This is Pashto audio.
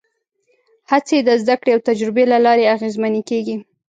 هڅې د زدهکړې او تجربې له لارې اغېزمنې کېږي.